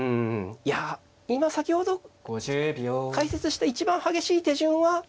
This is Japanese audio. いや今先ほど解説した一番激しい手順は。